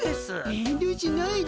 遠慮しないで。